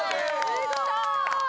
すごーい！